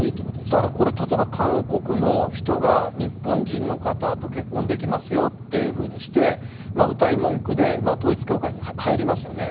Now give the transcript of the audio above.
だからこれ、例えば韓国の人が日本人の方と結婚できますよというふうにして、うたい文句で統一教会に入りますよね。